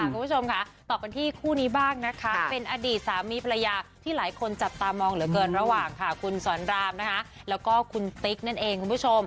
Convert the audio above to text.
คุณผู้ชมค่ะต่อกันที่คู่นี้บ้างนะคะเป็นอดีตสามีภรรยาที่หลายคนจับตามองเหลือเกินระหว่างค่ะคุณสอนรามนะคะแล้วก็คุณติ๊กนั่นเองคุณผู้ชม